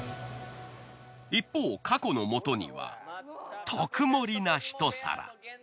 一方かこのもとには特盛りなひと皿。